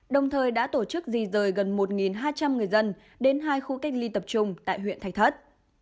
đồng thời đã tổ chức di rời gần một hai trăm linh người dân đến hai khu cách ly tập trung tại huyện thạch thất